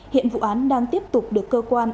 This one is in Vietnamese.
hiện vụ án đang tiếp tục được cơ quan